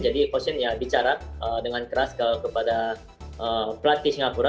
jadi coach shin bicara dengan keras kepada pelatih singapura